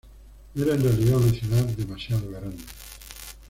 No era en realidad una ciudad demasiado grande.